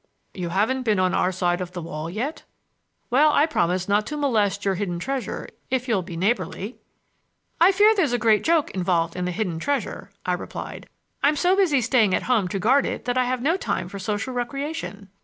"You haven't been on our side of the wall yet? Well, I promise not to molest your hidden treasure if you'll be neighborly." "I fear there's a big joke involved in the hidden treasure," I replied. "I'm so busy staying at home to guard it that I have no time for social recreation."